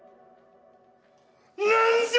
何じゃ？